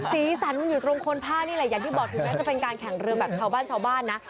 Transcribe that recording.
สีสันอยู่ตรงคนผ้านี่แหละอย่างที่บอกถึงแม้จะเป็นการแข่งเรือแบบชาวบ้านชาวบ้านนะ